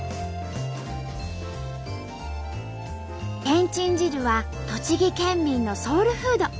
けんちん汁は栃木県民のソウルフード。